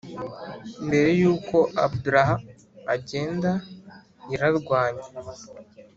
mbere yuko abdallah agenda yararwanye,